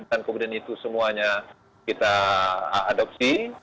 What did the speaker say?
dan kemudian itu semuanya kita adopsi